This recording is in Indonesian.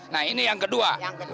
nah ini yang kedua